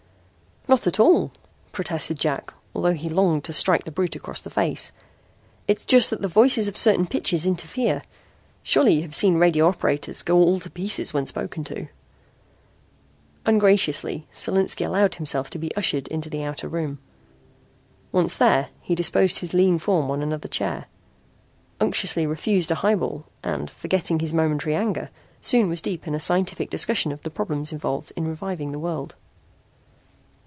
"Not at all," protested Jack, although he longed to strike the brute across the face. "It's just that voices of certain pitches interfere. Surely you have seen radio operators go all to pieces when spoken to." Ungraciously Solinski allowed himself to be ushered into the outer room. Once there he disposed his lean form on another chair, unctuously refused a highball, and, forgetting his momentary anger, soon was deep in a scientific discussion of the problems involved in revivifying the world.